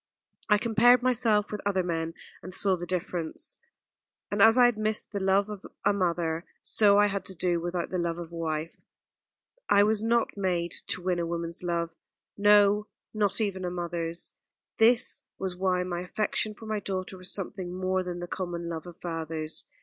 I compared myself with other men, and saw the difference; and as I had missed the love of a mother, so I had to do without the love of a wife. I was not made to win a woman's love no, not even a mother's. This was why my affection for my daughter was something more than the common love of fathers.